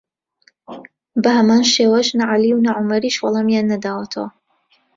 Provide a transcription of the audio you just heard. بەهەمان شێوەش نە عەلی و نە عومەریش وەڵامیان نەداوەتەوە